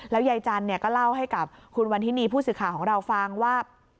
แล้วยายจันร่ำก็เล่าให้กับคุณวันนี้ผู้ศึกค่าของเราฟังว่า